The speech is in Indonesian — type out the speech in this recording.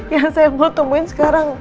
yang saya mau temuin sekarang